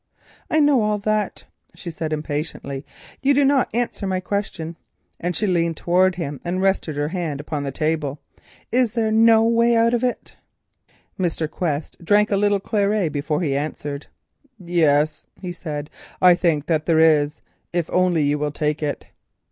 "I know all that," she said impatiently, "you do not answer my question;" and she leaned towards him, resting her hand upon the table. "Is there no way out of it?" Mr. Quest drank a little claret before he answered. "Yes," he said, "I think that there is, if only you will take it."